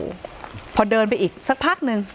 พอเดินไปอีกสักพักหนึ่ง